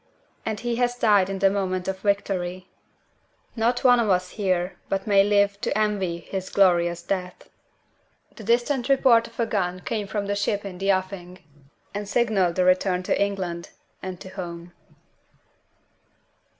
And he has died in the moment of victory. Not one of us here but may live to envy his glorious death." The distant report of a gun came from the ship in the offing, and signaled the return to England and to home.